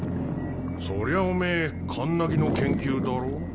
そりゃおめぇカンナギの研究だろ？